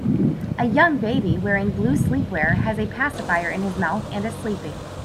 A young baby wearing blue sleepwear has a pacifier in his mouth and is sleeping.